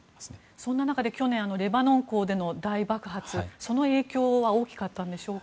そんな中で去年、レバノン港での大爆発その影響は大きかったでしょうか。